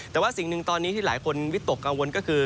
แต่ว่าสิ่งหนึ่งตอนนี้ที่หลายคนวิตกกังวลก็คือ